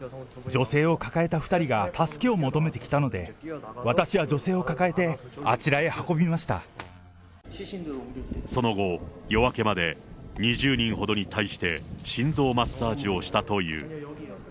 女性を抱えた２人が助けを求めてきたので、私は女性を抱えて、その後、夜明けまで２０人ほどに対して、心臓マッサージをしたという。